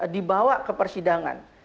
dibawa ke persidangan